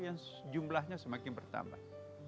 yang jumlahnya semakin bertambah